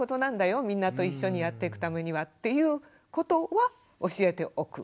みんなと一緒にやっていくためにはということは教えておく。